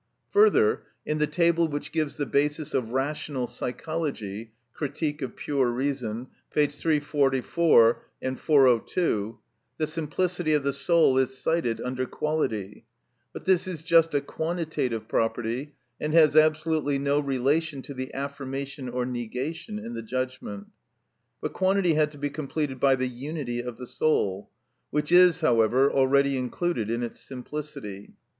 Further, in the table which gives the basis of rational psychology (Critique of Pure Reason, p. 344; V. 402), the simplicity of the soul is cited under quality; but this is just a quantitative property, and has absolutely no relation to the affirmation or negation in the judgment. But quantity had to be completed by the unity of the soul, which is, however, already included in its simplicity.